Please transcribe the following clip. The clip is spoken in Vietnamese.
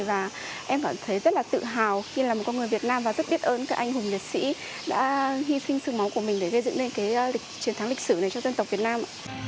và em cảm thấy rất là tự hào khi là một con người việt nam và rất biết ơn các anh hùng liệt sĩ đã hy sinh sương máu của mình để gây dựng lên cái chiến thắng lịch sử này cho dân tộc việt nam